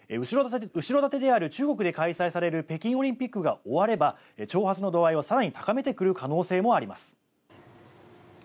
後ろ盾である中国で開催される北京オリンピックが終われば挑発の度合いを更に高めてくる可能性があります。